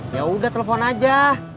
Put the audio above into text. yaudah telepon aja